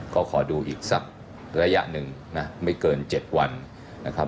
ก็ขอดูอีกสักระยะหนึ่งนะไม่เกิน๗วันนะครับ